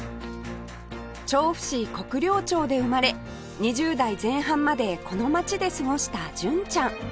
調布市国領町で生まれ２０代前半までこの街で過ごした純ちゃん